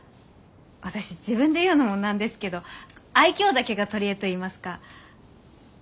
私自分で言うのもなんですけど愛嬌だけが取り柄といいますか。